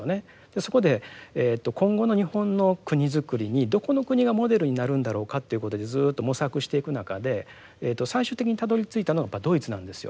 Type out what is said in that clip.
そこで今後の日本の国づくりにどこの国がモデルになるんだろうかということでずっと模索していく中で最終的にたどりついたのはドイツなんですよ。